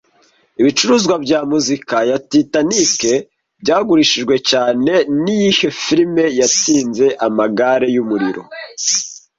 Ibicuruzwa bya muzika ya Titanic byagurishijwe cyane niyihe firime yatsinze Amagare yumuriro -